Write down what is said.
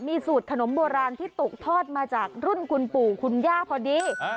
มีสูตรขนมโบราณที่ตกทอดมาจากรุ่นคุณปู่คุณย่าพอดี